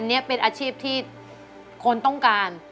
อันนี้เป็นอาชีพที่คนต้องการ